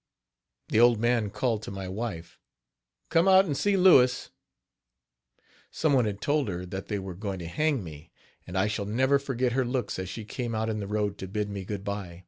The old man called to my wife: "Come out and see Louis." Some one had told her that they were going to hang me; and I shall never forget her looks as she came out in the road to bid me good by.